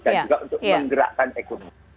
dan juga untuk menggerakkan ekonomi